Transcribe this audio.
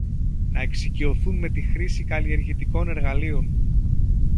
να εξοικειωθούν με τη χρήση καλλιεργητικών εργαλείων